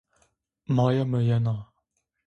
Maya mı yena.